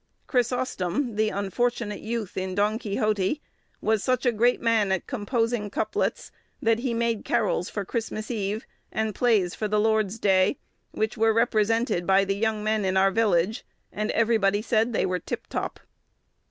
Crysostom, the unfortunate youth in Don Quixote, "was such a great man at composing couplets, that he made carols for Christmas Eve, and plays for the Lord's Day, which were represented by the young men in our village; and every body said they were tip top."